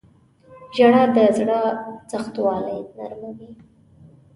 • ژړا د زړه سختوالی نرموي.